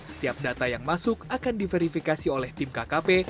setiap data yang masuk akan diverifikasi oleh tim kkp